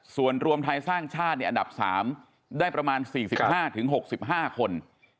ส่วนรวมไทยสร้างชาติอันดับ๓ได้ประมาณ๔๕๖๕คน